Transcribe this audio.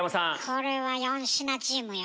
これは４品チームよ。